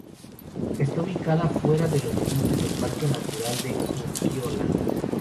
Está ubicada fuera de los límites del Parque Natural de Urkiola.